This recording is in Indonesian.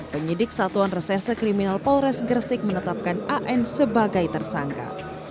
penyidik satuan reserse kriminal polres gresik menetapkan an sebagai tersangka